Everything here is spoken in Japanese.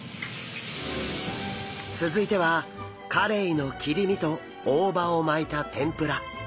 続いてはカレイの切り身と大葉を巻いた天ぷら。